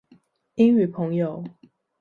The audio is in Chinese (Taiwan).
英語朋友